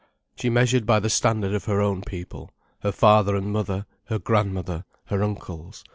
She measured by the standard of her own people: her father and mother, her grandmother, her uncles.